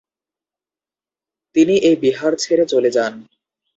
তিনি এই বিহার ছেড়ে চলে যান।